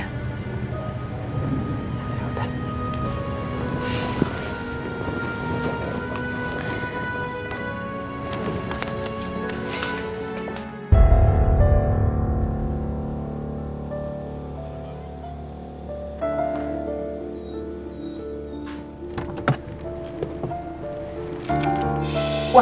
aku ganti baju dulu ya